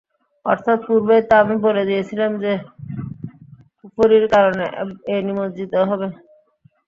অর্থাৎ পূর্বেই তা আমি বলে দিয়েছিলাম যে, কুফরীর কারণে এ নিমজ্জিত হবে।